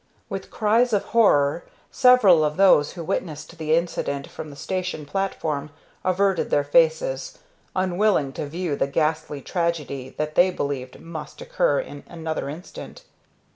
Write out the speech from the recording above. With cries of horror, several of those who witnessed the incident from the station platform averted their faces, unwilling to view the ghastly tragedy that they believed must occur in another instant.